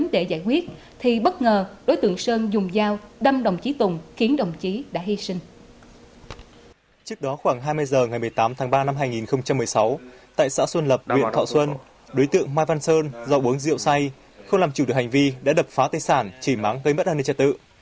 đối tượng mai văn sơn do uống rượu say không làm chủ được hành vi đã đập phá tây sản chỉ mắng gây mất hành vi tra tự